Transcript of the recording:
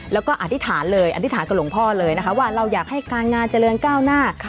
แล้วก็อธิษฐานเลยอธิษฐานกับหลวงพ่อเลยนะคะว่าเราอยากให้การงานเจริญก้าวหน้า